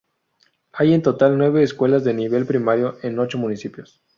Hay en total nueve escuelas de nivel primario en ocho municipios.